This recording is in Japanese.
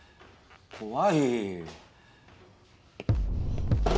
怖い。